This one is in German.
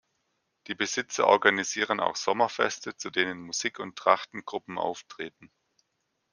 Die Besitzer organisieren auch Sommerfeste, zu denen Musik- und Trachtengruppen auftreten.